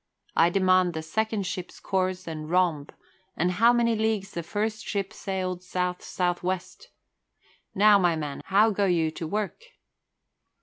I demand the second ship's course and rhomb, and how many leagues the first ship sailed south south west. Now, my man, how go you to work?"